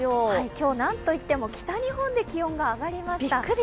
今日、なんといっても北日本で気温が上がりました。